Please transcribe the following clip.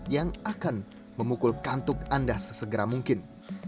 yang akan memukul kantuk anda sesegera mungkin